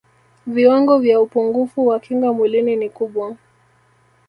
viwango vya upungufu wa kinga mwilini ni kubwa